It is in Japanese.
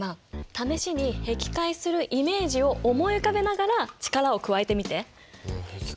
試しにへき開するイメージを思い浮かべながら力を加えてみて。へき